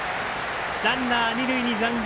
ランナー、二塁に残塁。